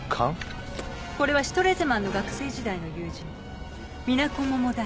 これはシュトレーゼマンの学生時代の友人美奈子桃平。